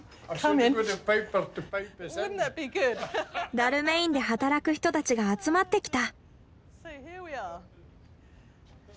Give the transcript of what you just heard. ダルメインで働く人たちが集まってきた。